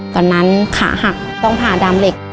ตอนนั้นขาหักต้องผ่าดามเหล็ก